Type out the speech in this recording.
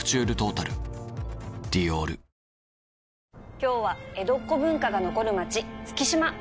今日は江戸っ子文化が残る町月島